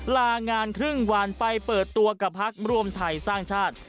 ลางานครึ่งวันไปเปิดตัวกับพักรวมไทยสร้างชาติ